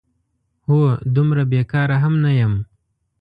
هو، دومره بېکاره هم نه یم؟!